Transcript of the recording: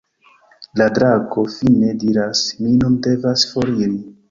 La drako fine diras: "Mi nun devas foriri".